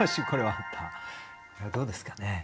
これはどうですかね？